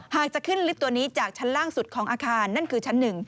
จะขึ้นลิฟต์ตัวนี้จากชั้นล่างสุดของอาคารนั่นคือชั้น๑